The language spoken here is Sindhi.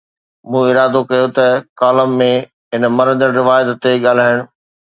مون ارادو ڪيو ته ڪالم ۾ هن مرندڙ روايت تي ڳالهائڻ.